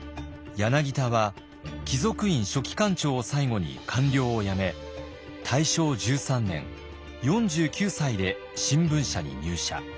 柳田は貴族院書記官長を最後に官僚を辞め大正１３年４９歳で新聞社に入社。